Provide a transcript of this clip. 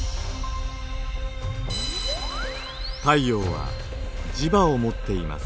太陽は磁場を持っています。